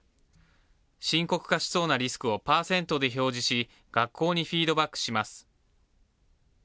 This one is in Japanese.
深刻化しそうなリスクをパーセントで表示し、学校にフィードバックします。